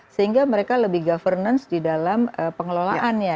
sehingga mereka lebih governance di dalam pengelolaannya